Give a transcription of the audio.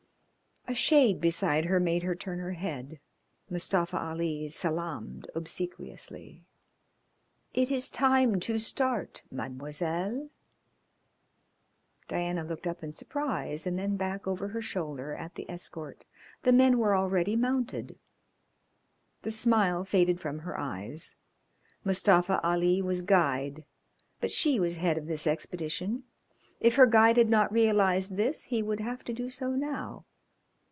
A shade beside her made her turn her head. Mustafa Ali salaamed obsequiously. "It is time to start, Mademoiselle." Diana looked up in surprise and then back over her shoulder at the escort. The men were already mounted. The smile faded from her eyes. Mustafa Ali was guide, but she was head of this expedition; if her guide had not realised this he would have to do so now.